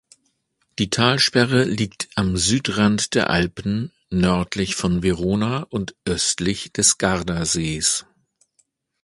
Die Talsperre liegt am Südrand der Alpen, nördlich von Verona und östlich des Gardasees.